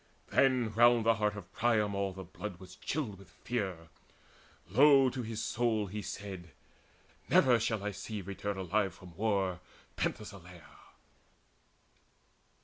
Then round the heart of Priam all the blood Was chilled with fear. Low to his soul he said: "Ne'er shall I see return alive from war Penthesileia!"